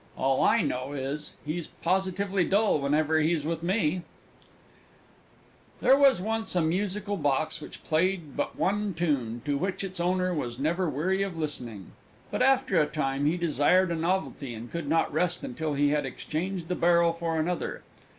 "All I know is, he's positively dull whenever he's with me!" There was once a Musical Box which played but one tune, to which its owner was never weary of listening. But, after a time, he desired a novelty, and could not rest until he had exchanged the barrel for another.